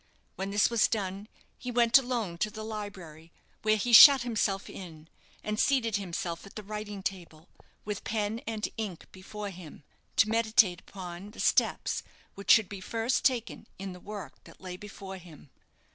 When this was done, he went alone to the library, where he shut himself in, and seated himself at the writing table, with pen and ink before him, to meditate upon, the steps which should be first taken in the work that lay before him.